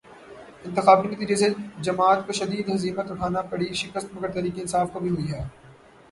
انتخابی نتیجے سے جماعت کو شدید ہزیمت اٹھانا پڑی، شکست مگر تحریک انصاف کو بھی ہوئی ہے۔